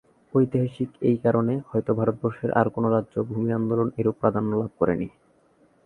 ঐতিহাসিক এই কারণে, হয়ত ভারতবর্ষের আর কোন রাজ্যে ভূমি আন্দোলন এরূপ প্রাধান্য লাভ করেনি।